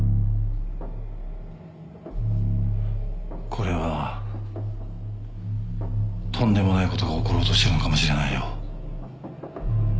これはとんでもないことが起ころうとしてるのかもしれないよ。